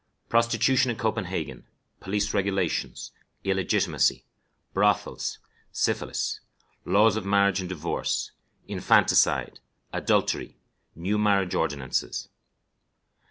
Prostitution in Copenhagen. Police Regulations. Illegitimacy. Brothels. Syphilis. Laws of Marriage and Divorce. Infanticide. Adultery. New Marriage Ordinances.